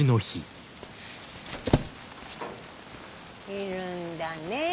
いるんだねえ